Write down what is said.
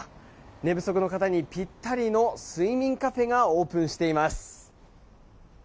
寝不足の方にピッタリの睡眠カフェがオープンしています。